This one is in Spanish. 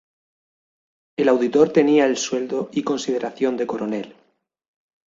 El auditor tenía el sueldo y consideración de coronel.